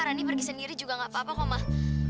rani pergi sendiri juga nggak apa apa kok mas